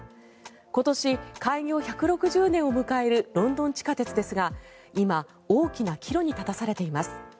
今年、開業１６０年を迎えるロンドン地下鉄ですが今、大きな岐路に立たされています。